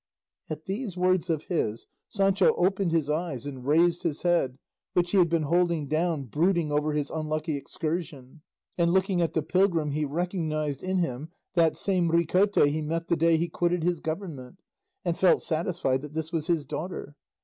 At these words of his, Sancho opened his eyes and raised his head, which he had been holding down, brooding over his unlucky excursion; and looking at the pilgrim he recognised in him that same Ricote he met the day he quitted his government, and felt satisfied that this was his daughter.